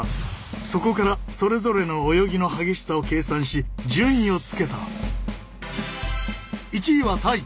そこからそれぞれの泳ぎの激しさを計算し順位をつけた。